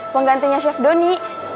penggantinya chef doni